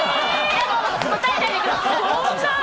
答えないでください。